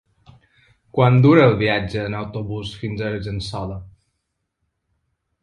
Quant dura el viatge en autobús fins a Argençola?